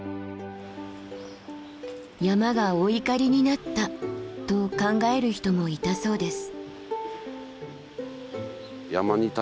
「山がお怒りになった」と考える人もいたそうです。